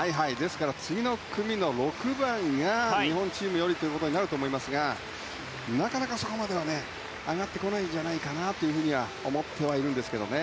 次の組の６番が日本チームよりということになると思いますがなかなかそこまでは上がってこないんじゃないかなとは思ってはいるんですけどね。